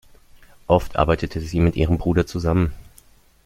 Oft arbeitete sie mit ihrem Bruder zusammen.